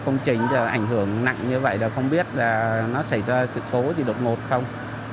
công trình ảnh hưởng nặng như vậy là không biết là nó xảy ra trực tố thì đột ngột không